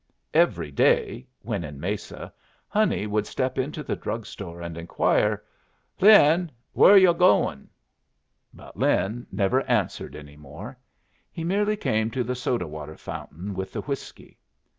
Every day (when in Mesa) Honey would step into the drug store and inquire, "Lin, wher're yu' goin'?" But Lin never answered any more. He merely came to the soda water fountain with the whiskey.